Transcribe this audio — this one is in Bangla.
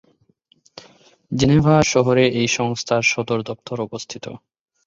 জেনেভা শহরে এই সংস্থার সদর দপ্তর অবস্থিত।